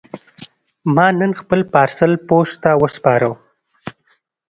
ما نن خپل پارسل پوسټ ته وسپاره.